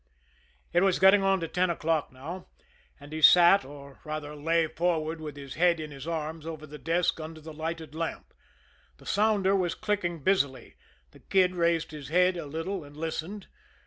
It was getting on to ten o'clock now, and he sat, or, rather, lay forward with his head in his arms over the desk under the lighted lamp. The sounder was clicking busily; the Kid raised his head a little, and listened.